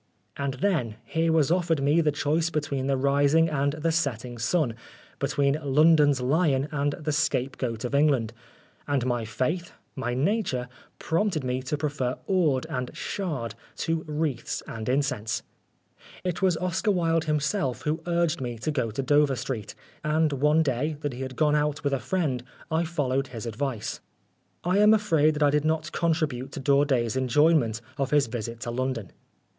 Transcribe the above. And then, here was offered me the choice between the rising and the setting sun, between London's lion and the scapegoat of England, and my faith, my nature prompted me to prefer ord and shard to wreaths and incense. It was Oscar Wilde himself who urged me to go to Dover Street, and one day, that he had gone out with a friend, I followed his advice. I am afraid that I did not contribute to Daudet's enjoyment of his visit to London.